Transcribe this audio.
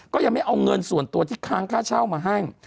ของข้างค่าเช่ามาให้